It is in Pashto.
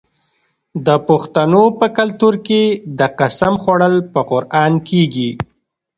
د پښتنو په کلتور کې د قسم خوړل په قران کیږي.